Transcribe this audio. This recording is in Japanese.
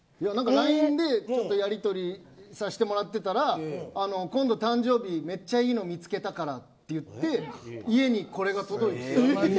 ＬＩＮＥでちょっとやりとりさせてもらってたら今度、誕生日めっちゃいいの見つけたからって言って家にこれが届いて。